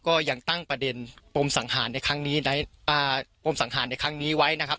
ก็ยังตั้งประเด็นปมสังหารในครั้งนี้ในปมสังหารในครั้งนี้ไว้นะครับ